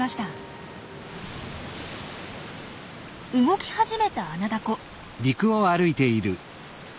動き始めたアナダコ。